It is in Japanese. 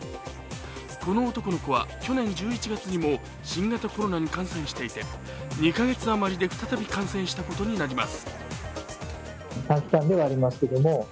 この男の子は去年１１月にも新型コロナに感染していて２か月あまりで再び感染したことになります。